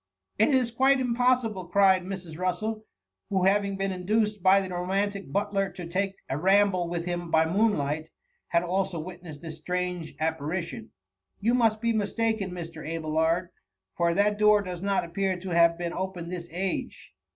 "*^ It is quite impossible,"' cried Mrs. Russel, who having been induced by the romantic butler to take a ramble with him by moon light, had also witnessed this strange appari* tton ;^* you must bis mistaken Mr. Abelard, for that door does not appear to have been opened iliis age.